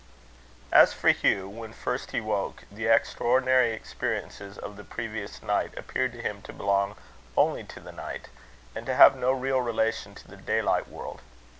As for Hugh, when first he woke, the extraordinary experiences of the previous night appeared to him to belong only to the night, and to have no real relation to the daylight world.